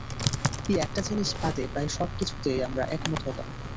এই একটা জিনিস বাদে প্রায় সবকিছুতেই আমরা একমত হতাম।